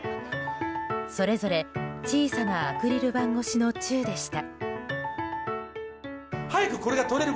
それぞれ小さなアクリル板越しのチューでした。